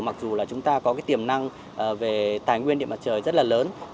mặc dù chúng ta có tiềm năng về tài nguyên điện mặt trời rất lớn